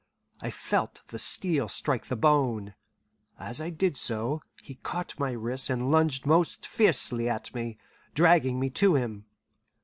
I felt the steel strike the bone. As I did so, he caught my wrist and lunged most fiercely at me, dragging me to him.